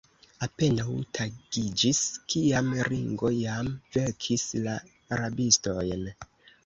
Apenaŭ tagiĝis, kiam Ringo jam vekis la rabistojn.